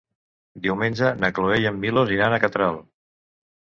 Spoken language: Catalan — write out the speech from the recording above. Diumenge na Cloè i en Milos iran a Catral.